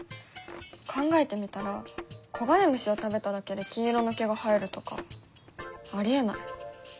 考えてみたら黄金虫を食べただけで金色の毛が生えるとかありえない。